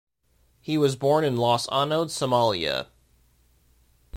He was born in Las Anod, Somalia.